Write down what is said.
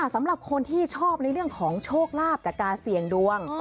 สำหรับคนที่ชอบในเรื่องของโชคลาภจากการเสี่ยงดวง